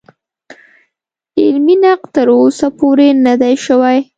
علمي نقد تر اوسه پورې نه دی شوی.